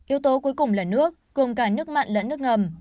yếu tố cuối cùng là nước cùng cả nước mặn lẫn nước ngầm